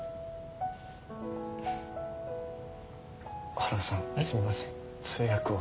春尾さんすみません通訳を。